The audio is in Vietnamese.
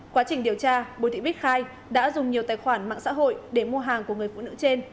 quá trình điều tra bùi thị bích khai đã dùng nhiều tài khoản mạng xã hội để mua hàng của người phụ nữ trên